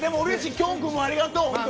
きょん君もありがとう。